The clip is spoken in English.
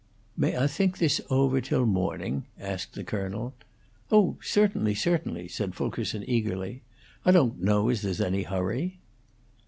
"May I think this over till morning?" asked the colonel. "Oh, certainly, certainly," said Fulkerson, eagerly. "I don't know as there's any hurry."